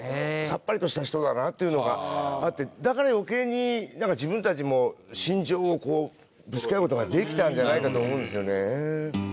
さっぱりとした人だなっていうのがあってだから余計に自分たちも心情をぶつけ合う事ができたんじゃないかと思うんですよね。